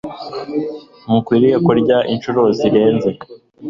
Ntukwiriye kurya inshuro zirenze